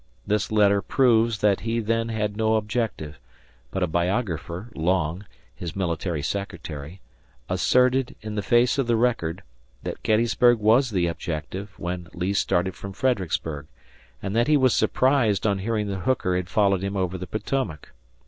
This letter proves that he then had no objective, but a biographer, Long his military secretary asserted, in the face of the record, that Gettysburg was the objective when Lee started from Fredericksburg, and that he was surprised on hearing that Hooker had followed him over the Potomac.